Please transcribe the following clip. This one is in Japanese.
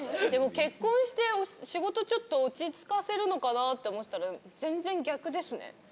でも結婚して仕事ちょっと落ち着かせるのかなって思ってたら全然逆ですね。